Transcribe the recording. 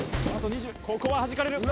ここははじかれる。